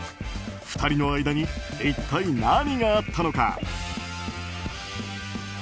２人の間に一体何があったのか。